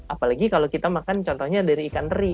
apalagi kalau kita makan contohnya dari ikan teri